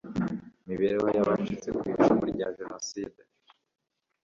mibereho y abacitse ku icumu rya Jenoside